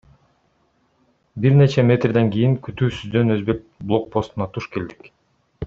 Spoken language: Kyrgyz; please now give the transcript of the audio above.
Бир нече метрден кийин күтүүсүздөн өзбек блокпостуна туш келдик.